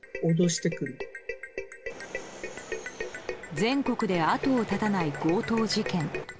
全国で後を絶たない強盗事件。